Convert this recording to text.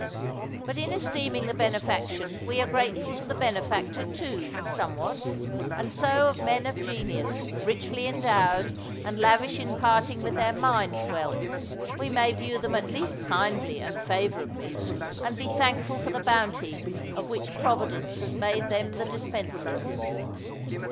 But in esteeming the bene faction we are grateful to the benefactor, too, somewhat; and so of men of genius, richly en ' (owed, and lavish in parting with their mind's wealth, we may view them at least kindly and favorably, and be thankful for the bounty of which providence has made them the dispensers.